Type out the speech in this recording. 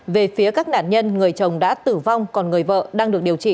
về phía các nạn nhân người chồng đã tử vong còn người vợ đang được điều trị